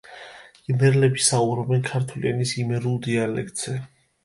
იმერლები საუბრობენ ქართული ენის იმერულ დიალექტზე.